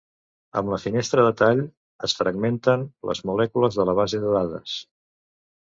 Amb la finestra de tall, es fragmenten les molècules de la base de dades.